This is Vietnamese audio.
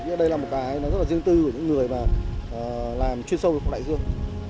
nhưng đây là một cái rất là riêng tư của những người mà làm chuyên sâu về phòng đại dương